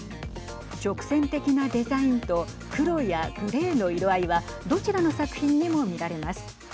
直線的なデザインと黒やグレーの色合いはどちらの作品にも見られます。